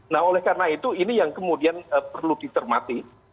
nah oleh karena itu ini yang kemudian perlu ditermati